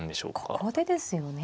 ここでですよね。